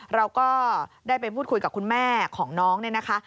เราก็ได้ไปพูดคุยกับคุณแม่ของน้องเนี่ยนะคะ